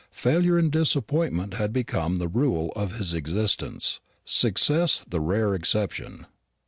Failure and disappointment had become the rule of his existence success the rare exception.